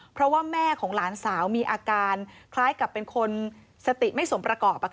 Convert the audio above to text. เพราะว่าแม่ของหลานสาวมีอาการคล้ายกับเป็นคนสติไม่สมประกอบ